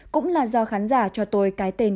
cũng là do khán giả cho tôi cái tên